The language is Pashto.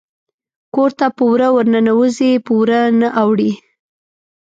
کور ته په وره ورننوزي په ور نه اوړي